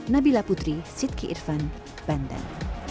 nabila putri sidki irfan banten